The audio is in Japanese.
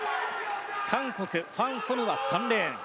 韓国ファン・ソヌは３レーン。